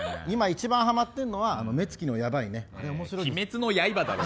今一番ハマってるのは目つきのやばいね。